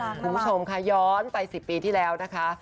คุณผู้ชมค่ะย้อนไป๑๐ปีที่แล้วนะคะ